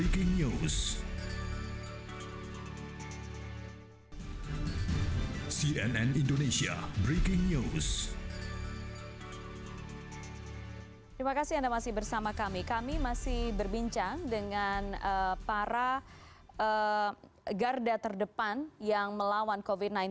terima kasih anda masih bersama kami kami masih berbincang dengan para garda terdepan yang melawan covid sembilan belas